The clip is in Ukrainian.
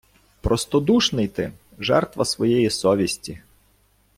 Простодушний ти, жертва своєї совісті.